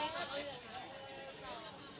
ฝ่า